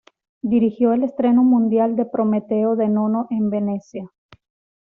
Dirigió el estreno mundial de "Prometeo" de Nono en Venecia.